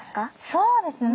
そうですね。